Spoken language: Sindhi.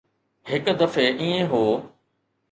هڪ دفعي ائين هو.